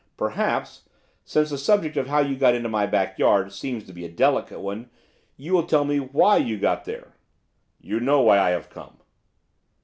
Perhaps, since the subject of how you got into my back yard seems to be a delicate one, you will tell me why you got there.' 'You know why I have come.